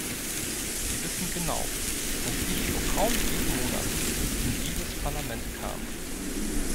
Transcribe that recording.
Sie wissen genau, dass ich vor kaum sieben Monaten in dieses Parlament kam.